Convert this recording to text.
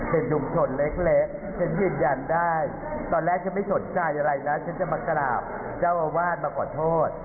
เป็นชุมชนเล็กฉันยืนยันได้ตอนแรกฉันไม่สนใจอะไรนะฉันจะมากราบเจ้าอาวาสมาขอโทษ